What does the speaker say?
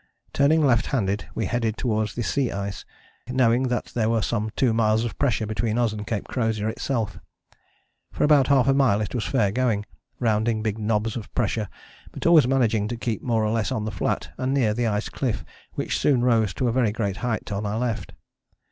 Turning left handed we headed towards the sea ice, knowing that there were some two miles of pressure between us and Cape Crozier itself. For about half a mile it was fair going, rounding big knobs of pressure but always managing to keep more or less on the flat and near the ice cliff which soon rose to a very great height on our left.